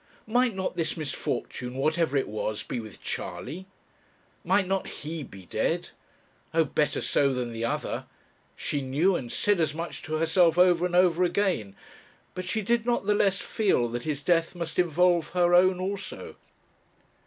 might not this misfortune, whatever it was, be with Charley? might not he be dead? Oh! better so than the other. She knew, and said as much to herself over and over again; but she did not the less feel that his death must involve her own also.